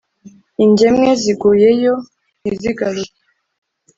Ingemwe ziguyeyo ntizigaruke,